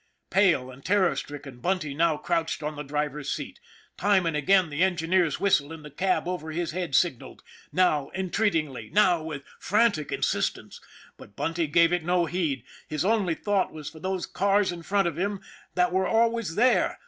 Pale and terror stricken, Bunty now crouched on the driver's seat. Time and again the engineer's whistle in the cab over his head signaled, now en treatingly, now with frantic insistence. But Bunty gave it no heed ; his only thought was for those cars in front of him that were always there.